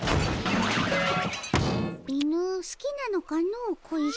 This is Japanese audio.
犬好きなのかの小石。